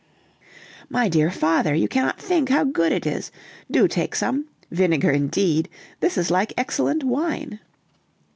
"My dear father, you cannot think how good it is! Do take some. Vinegar, indeed! This is like excellent wine."